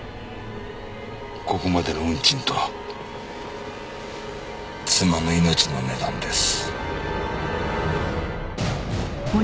ここまでの運賃と妻の命の値段です。